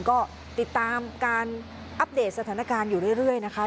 ก็ติดตามการอัปเดตสถานการณ์อยู่เรื่อยนะคะ